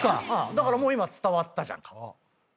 だから今伝わったじゃん。